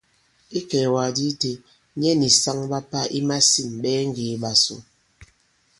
Ikɛ̀ɛ̀wàgàdi itē, nyɛ nì saŋ ɓa pà i masîn ɓɛɛ ŋgè ìɓàsu.